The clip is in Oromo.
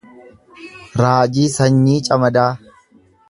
Raajii Sanyii Camadaa